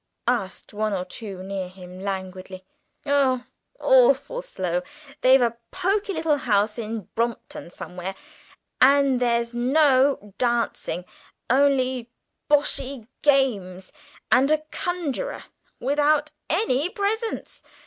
asked one or two near him languidly. "Oh, awfully slow! They've a poky little house in Brompton somewhere, and there was no dancing, only boshy games and a conjurer, without any presents.